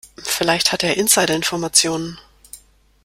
Vielleicht hatte er Insiderinformationen.